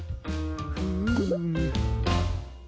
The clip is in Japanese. フーム。